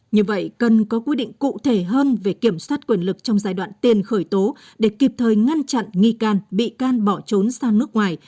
như vậy cần có quy định cụ thể hơn về kiểm soát quyền lực trong giai đoạn tiền khởi tố để kịp thời ngăn chặn nghi can bị can bỏ trốn sang nước ngoài